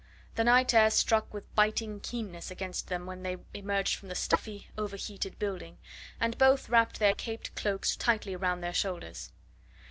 The night air struck with biting keenness against them when they emerged from the stuffy, overheated building, and both wrapped their caped cloaks tightly round their shoulders.